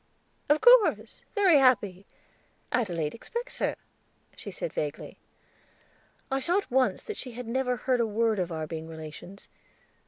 "Of course, very happy; Adelaide expects her," she said vaguely. I saw at once that she had never heard a word of our being relations.